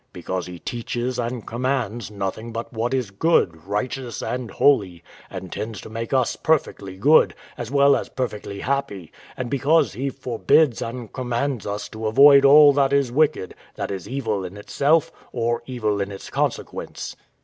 W.A. Because He teaches and commands nothing but what is good, righteous, and holy, and tends to make us perfectly good, as well as perfectly happy; and because He forbids and commands us to avoid all that is wicked, that is evil in itself, or evil in its consequence.